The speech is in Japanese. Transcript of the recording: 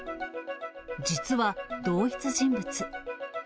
実は同一人物。